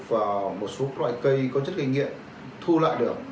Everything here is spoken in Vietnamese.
và một số loại cây có chất kinh nghiệm thu lại được